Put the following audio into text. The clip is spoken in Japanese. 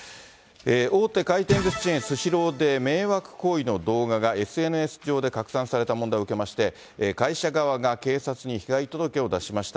大手回転ずしチェーン、スシローで、迷惑行為の動画がＳＮＳ上で拡散された問題を受けまして、会社側が警察に被害届を出しました。